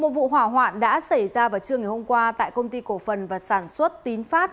một vụ hỏa hoạn đã xảy ra vào trưa ngày hôm qua tại công ty cổ phần và sản xuất tín phát